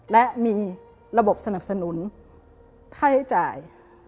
และมีระบบสนับสนุนค่าใช้จ่าย